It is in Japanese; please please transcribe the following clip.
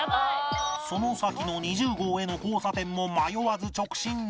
その先の２０号への交差点も迷わず直進し